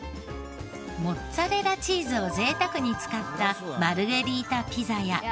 モッツァレラチーズを贅沢に使ったマルゲリータピザや。